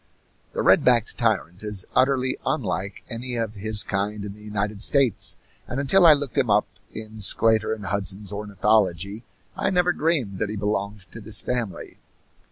The red backed tyrant is utterly unlike any of his kind in the United States, and until I looked him up in Sclater and Hudson's ornithology I never dreamed that he belonged to this family.